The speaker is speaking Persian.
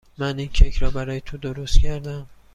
من این کیک را برای تو درست کردم.